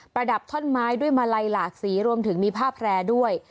ระดับท่อนไม้ด้วยมาลัยหลากสีรวมถึงมีผ้าแพร่ด้วย